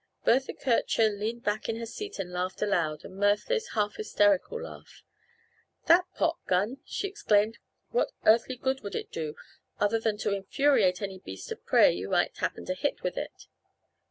Bertha Kircher leaned back in her seat and laughed aloud, a mirthless, half hysterical laugh. "That popgun!" she exclaimed. "What earthly good would it do other than to infuriate any beast of prey you might happen to hit with it?"